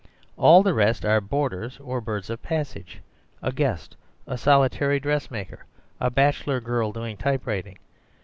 All the rest are boarders or birds of passage—a guest, a solitary dressmaker, a bachelor girl doing typewriting.